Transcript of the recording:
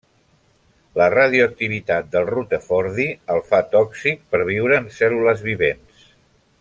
La radioactivitat del rutherfordi el fa tòxic per viure en cèl·lules vivents.